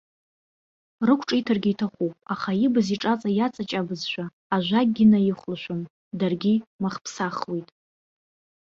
Рықәҿиҭыргьы иҭахуп, аха ибз иҿыҵа иаҵаҷабызшәа ажәакгьы наихәылшәом, даргьы махԥсахуеит.